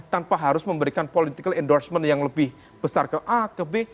tanpa harus memberikan political endorsement yang lebih besar ke a ke b